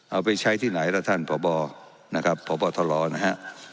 เอาไปใช้ที่ไหนแล้วท่านพ่อบอร์นะครับพ่อบอร์ทะลอนะฮะ